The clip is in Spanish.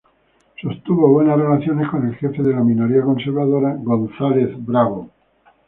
Sostuvo buenas relaciones con el jefe de la minoría conservadora, González Bravo.